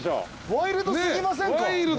ワイルド過ぎませんか？